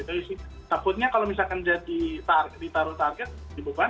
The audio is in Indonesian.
tapi sih takutnya kalau misalkan jadi ditaruh target di beban